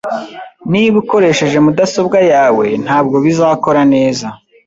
Niba ukoresheje mudasobwa yawe, ntabwo bizakora neza